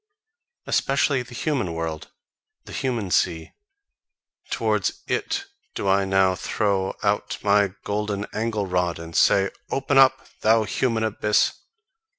Especially the human world, the human sea: towards IT do I now throw out my golden angle rod and say: Open up, thou human abyss!